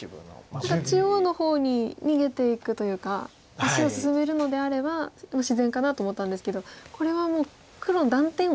ただ中央の方に逃げていくというか足を進めるのであれば自然かなと思ったんですけどこれはもう黒の断点を。